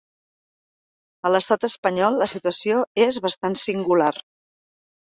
A l’estat espanyol la situació és bastant singular.